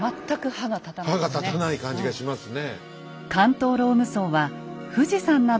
歯が立たない感じがしますね。